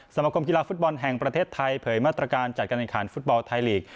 สมคมกีฬาฟุตบอลแห่งประเทศไทยเผยมาตรการจัดการแข่งขันฟุตบอลไทยลีก